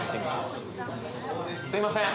すいません！